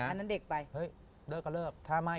อันนั้นเด็กไป